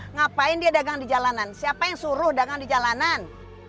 ngapain dia dagang di jalanan siapa yang suruh dagang di jalanan